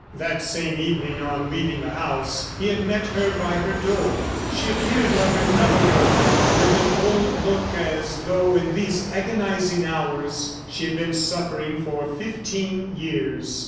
That same evening, on leaving the house, he had met her by her door. She appeared like another woman, with an old look as though in these agonizing hours she had been suffering for fifteen years.